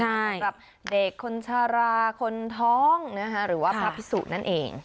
ใช่ของเด็กคนชะลาคนท้องนะฮะหรือว่าพระอภิสุนั่นเอง